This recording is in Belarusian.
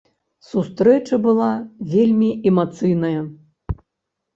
Сустрэча была вельмі эмацыйная.